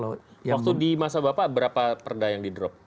waktu di masa bapak berapa perda yang di drop